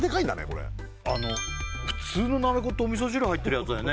これ普通のなめこってお味噌汁入ってるやつだよね？